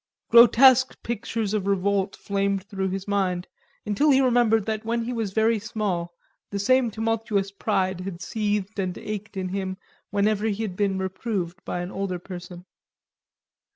Grotesque pictures of revolt flamed through his mind, until he remembered that when he was very small, the same tumultuous pride had seethed and ached in him whenever he had been reproved by an older person.